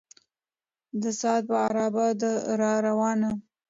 د ساعت پر عرابه ده را روانه